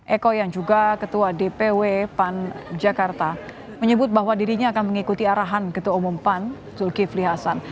eko yang juga ketua dpw pan jakarta menyebut bahwa dirinya akan mengikuti arahan ketua umum pan zulkifli hasan